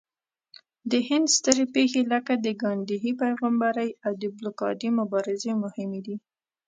د هند سترې پېښې لکه د ګاندهي پیغمبرۍ او د بلوکادي مبارزې مهمې دي.